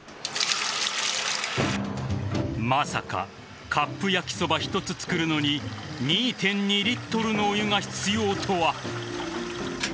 まさかカップ焼きそば一つ作るのに２．２リットルのお湯が必要とは。